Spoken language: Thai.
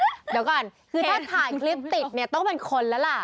เดี๋ยวก่อนคือถ้าถ่ายคลิปติดเนี่ยต้องเป็นคนแล้วล่ะ